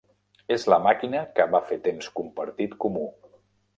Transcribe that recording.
És la màquina que va fer temps compartit comú.